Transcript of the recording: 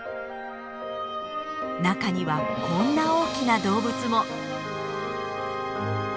中にはこんな大きな動物も。